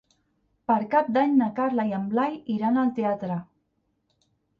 Per Cap d'Any na Carla i en Blai iran al teatre.